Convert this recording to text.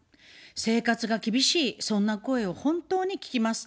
生活が厳しい、そんな声を本当に聞きます。